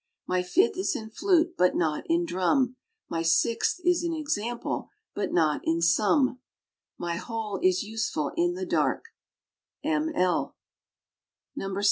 My fifth is in flute, but not in drum. My sixth is in example, but not in sum. My whole is useful in the dark. M. L.